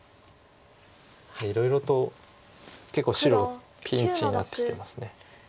いろいろと結構白ピンチになってきてます。